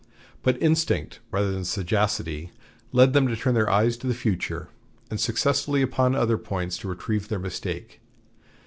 But instinct rather than sagacity led them to turn their eyes to the future, and successfully upon other points to retrieve their mistake.